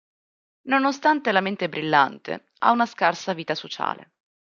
Nonostante la mente brillante, ha una scarsa vita sociale.